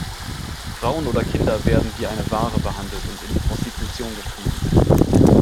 Frauen oder Kinder werden wie eine Ware behandelt und in die Prostitution getrieben.